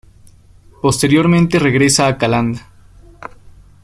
Posteriormente regresa a Calanda.